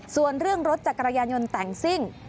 ส่วนเรื่องรถจักรยานยนต์แต่งซิ่ง